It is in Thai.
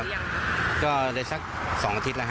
ยังก็เลยสักสองอาทิตย์แล้วฮ